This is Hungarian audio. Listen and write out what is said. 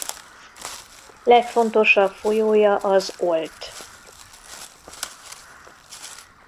Legfontosabb folyója az Olt.